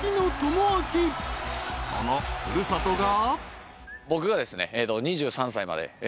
［その古里が］